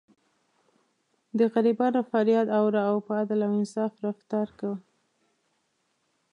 د غریبانو فریاد اوره او په عدل او انصاف رفتار کوه.